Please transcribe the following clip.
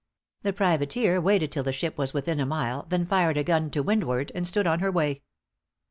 The privateer waited till the ship was within a mile, then fired a gun to windward, and stood on her way.